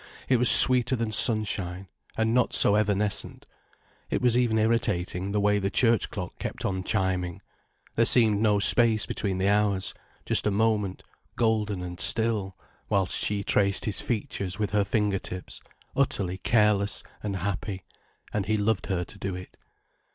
It was sweeter than sunshine, and not so evanescent. It was even irritating the way the church clock kept on chiming: there seemed no space between the hours, just a moment, golden and still, whilst she traced his features with her finger tips, utterly careless and happy, and he loved her to do it.